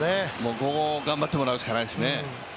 ここを頑張ってもらうしかないですね。